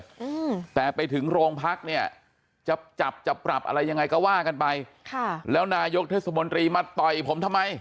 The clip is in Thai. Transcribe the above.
อืมแต่ไปถึงโรงพักเนี้ยจะจับจะปรับอะไรยังไงก็ว่ากันไปค่ะแล้วนายกเทศมนตรีมาต่อยผมทำไม